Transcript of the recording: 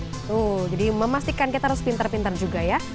tuh jadi memastikan kita harus pintar pintar juga ya